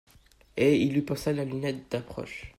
Et il lui passa la lunette d'approche.